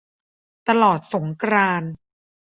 ตลอดสงกรานต์ !